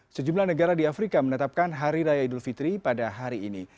sejumlah negara di afrika menetapkan hari raya idul fitri pada hari ini